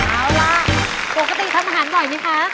เอาล่ะปกติทำอาหารบ่อยไหมคะ